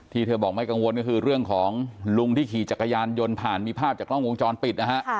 เธอบอกไม่กังวลก็คือเรื่องของลุงที่ขี่จักรยานยนต์ผ่านมีภาพจากกล้องวงจรปิดนะฮะ